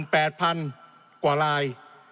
พี่น้องเกษตรกร๕๘๐๐๐กว่าลาย